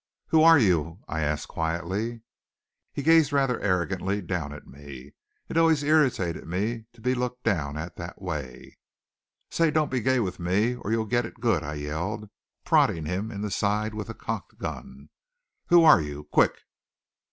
"Who're you?" I asked quietly. He gazed rather arrogantly down at me. It always irritated me to be looked down at that way. "Say, don't be gay with me or you'll get it good," I yelled, prodding him in the side with the cocked gun. "Who are you? Quick!"